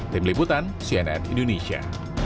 tim liputan cnn indonesia